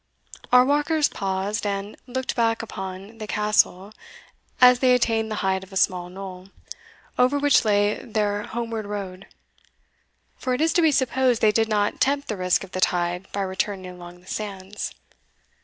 Our walkers paused, and looked back upon the castle, as they attained the height of a small knoll, over which lay their homeward road; for it is to be supposed they did not tempt the risk of the tide by returning along the sands.